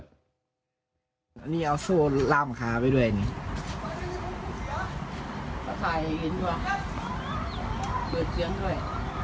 อันนี้เอาโซ่ล่ามคาไปด้วยอันนี้เขาถ่ายให้กินด้วยดื่มเสียงด้วย